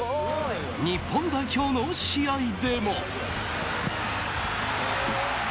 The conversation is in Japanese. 日本代表の試合でも。